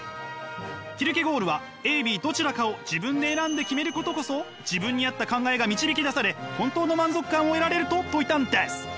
キルケゴールはＡＢどちらかを自分で選んで決めることこそ自分に合った考えが導き出され本当の満足感を得られると説いたんです！